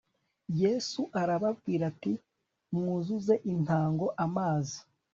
yesu arababwira ati “mwuzuze intango amazi